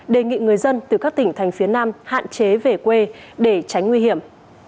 đề nghị người dân từ các tỉnh thành phía nam hạn chế về quê để tránh nguy hiểm